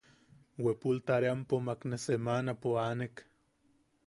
Bwepul tareampo makne semanapo aanek;.